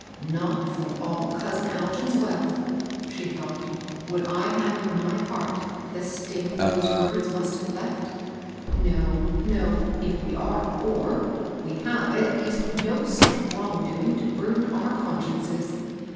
•* Not for all cousin Algin's wealth," she thought, " would I have in my heart the sting those words must have left I No, no ! if we are poor^ we have, at least, no such wrong doing to burden our consciences